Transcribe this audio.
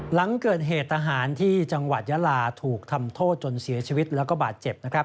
หลังเกิดเหตุทหารที่จังหวัดยาลาถูกทำโทษจนเสียชีวิตแล้วก็บาดเจ็บนะครับ